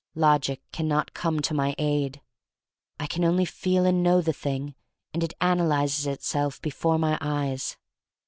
Logic can not come to my aid. I can only feel and know the thing and it analyzes itself before my eyes.